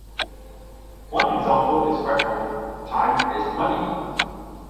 One example is quite common: "time is money".